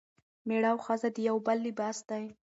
میړه او ښځه د یو بل لباس دي.